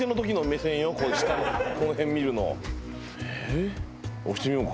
下この辺見るの。